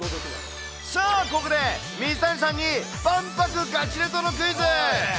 さあ、ここで、水谷さんに万博ガチレトロクイズ。